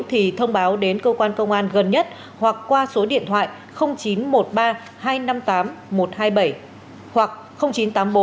thì thông báo đến cơ quan công an gần nhất hoặc qua số điện thoại chín trăm một mươi ba hai trăm năm mươi tám một trăm hai mươi bảy hoặc chín trăm tám mươi bốn hai trăm hai mươi năm bảy trăm chín mươi ba